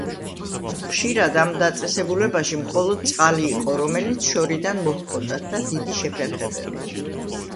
ხშირად ამ დაწესებულებაში მხოლოდ წყალი იყო, რომელიც შორიდან მოჰქონდათ და დიდი შეფერხებებით.